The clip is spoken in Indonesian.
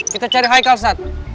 kita cari haikal ustadz